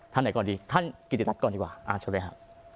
ท่านไหนก่อนดีท่านกิจกัดก่อนดีกว่าอาชาบัยฮะ